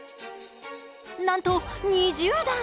なんと２０段！